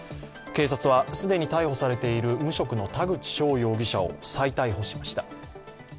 警察は既に逮捕されている無職の田口翔容疑者を再逮捕しました。